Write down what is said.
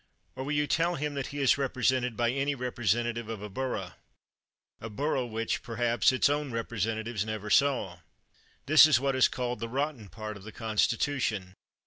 Or will you tell him that he is represented by any repre sentative of a borough? — a borough which, per haps, its own representatives never saw! This is what is called the rotten part of the Constitu tion.